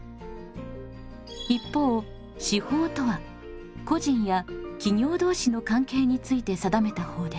一方私法とは個人や企業同士の関係について定めた法です。